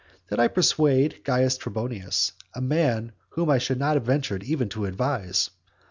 Did I persuade Caius Trebonius? a man whom I should not have ventured even to advise.